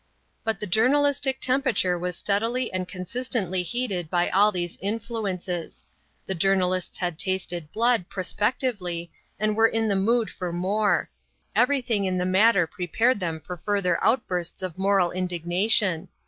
But the journalistic temperature was steadily and consistently heated by all these influences; the journalists had tasted blood, prospectively, and were in the mood for more; everything in the matter prepared them for further outbursts of moral indignation.